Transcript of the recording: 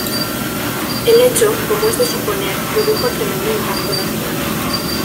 El hecho, como es de suponer, produjo tremendo impacto nacional.